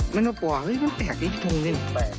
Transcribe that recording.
มันเปล่าป่ะมันแปลกที่ทุ่งนี่